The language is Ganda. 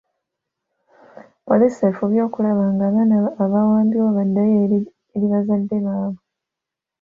Poliisi efubye okulaba nga abaana abaawambibwa baddayo eri bazadde baabwe.